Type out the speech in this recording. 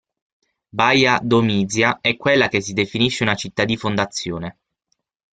Baia Domizia é quella che si definisce una città di fondazione.